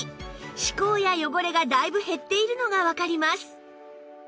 歯垢や汚れがだいぶ減っているのがわかります